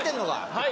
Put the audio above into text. はい！